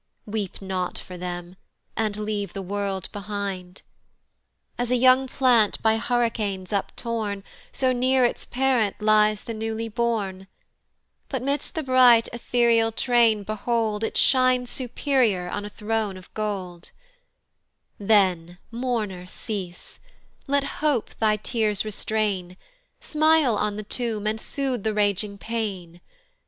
Weep not for them, and leave the world behind. As a young plant by hurricanes up torn, So near its parent lies the newly born But 'midst the bright ehtereal train behold It shines superior on a throne of gold: Then, mourner, cease; let hope thy tears restrain, Smile on the tomb, and sooth the raging pain.